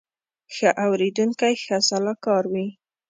ښه اورېدونکی ښه سلاکار وي